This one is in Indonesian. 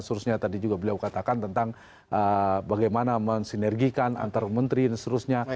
seterusnya tadi juga beliau katakan tentang bagaimana mensinergikan antar menteri dan seterusnya